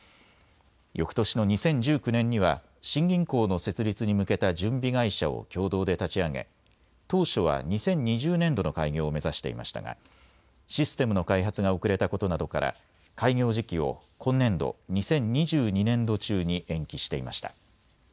よくとしの２０１９年には新銀行の設立に向けた準備会社を共同で立ち上げ当初は２０２０年度の開業を目指していましたがシステムの開発が遅れたことなどから開業時期を今年度２０２２年度中に延期していました。